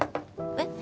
えっ？